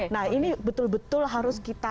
nah ini betul betul harus kita